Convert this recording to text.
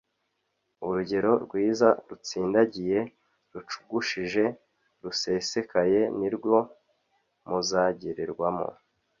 Urugero rwiza rutsindagiye, rucugushije, rusesekaye nirwo muzagererwamo."